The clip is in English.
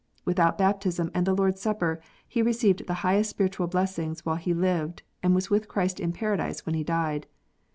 Without baptism and the Lord s Supper he received the highest spiritual blessings while he lived, and was with Christ in paradise when he died